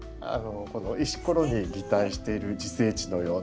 石ころに擬態している自生地のような。